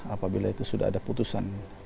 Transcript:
apabila itu sudah ada putusan